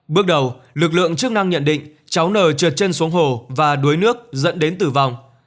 bước đầu lực lượng chức năng nhận định cháu nờ trượt chân xuống hồ và đuối nước dẫn đến tử vong